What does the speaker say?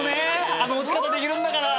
あの落ち方できるんだから。